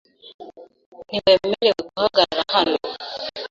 Ntiwemerewe guhagarara hano.